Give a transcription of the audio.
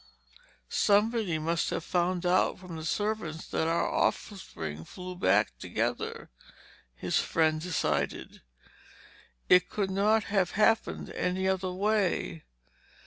"Somebody must have found out from the servants that our offspring flew back together," his friend decided. "It could not have happened any other way.